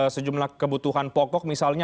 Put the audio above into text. sejumlah kebutuhan pokok misalnya